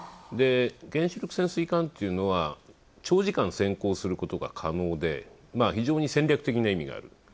原子力潜水艦っていうのは長時間利用が可能で、非常に戦略的な意味がある。